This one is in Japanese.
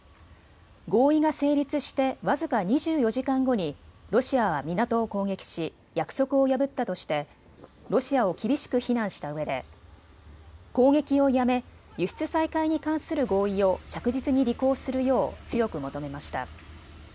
合意が成立して僅か２４時間後にロシアは港を攻撃し約束を破ったとしてロシアを厳しく非難したうえで攻撃をやめ、輸出再開に関する合意を着実に履行するよう強く求めました。